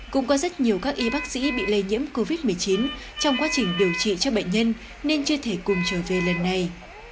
cũng có rất nhiều các y bác sĩ bị lây nhiễm covid một mươi chín trong quá trình điều trị cho bệnh nhân nên chưa thể cùng trở về lần này